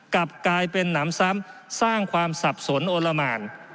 กลับกลายเป็นหนำซ้ำสร้างความสับสนโอละหมาน